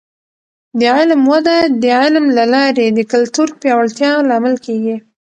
د علم وده د علم له لارې د کلتور پیاوړتیا لامل کیږي.